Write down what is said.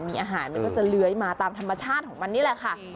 มีอาหารมันก็จะเลื้อยมาตามธรรมชาติของมันนี่แหละค่ะ